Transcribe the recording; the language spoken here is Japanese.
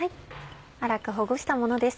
粗くほぐしたものです。